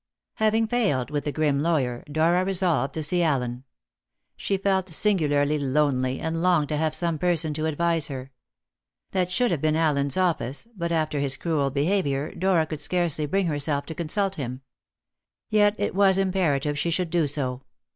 Having failed with the grim lawyer, Dora resolved to see Allen. She felt singularly lonely, and longed to have some person to advise her. That should have been Allen's office, but after his cruel behaviour, Dora could scarcely bring herself to consult him. Yet it was imperative she should do so.